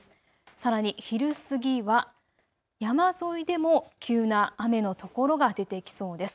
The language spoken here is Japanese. さらに昼過ぎは山沿いでも急な雨の所が出てきそうです。